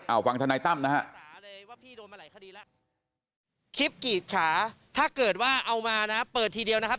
อ้าวฟังธนายตั้มนะฮะ